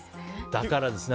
だからですね。